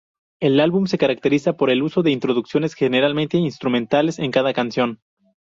El álbum se caracteriza por el uso de introducciones generalmente instrumentales en cada canción.